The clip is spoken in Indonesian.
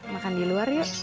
makan di luar yuk